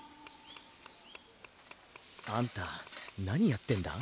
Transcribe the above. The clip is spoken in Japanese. あんた何やってんだ？